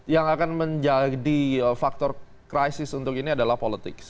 yang akan menjadi faktor krisis untuk ini adalah politics